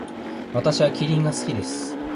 私はキリンが好きです。